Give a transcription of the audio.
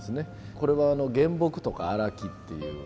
これは原木とか荒木っていう。